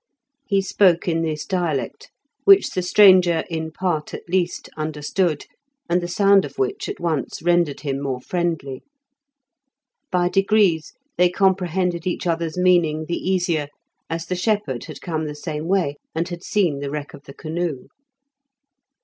He spoke in this dialect, which the stranger in part at least understood, and the sound of which at once rendered him more friendly. By degrees they comprehended each other's meaning the easier, as the shepherd had come the same way and had seen the wreck of the canoe.